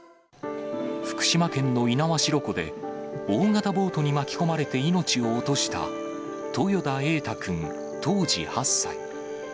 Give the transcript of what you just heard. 福島県の猪苗代湖で大型ボートに巻き込まれて命を落とした豊田瑛大君当時８歳。